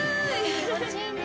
気持ちいいね。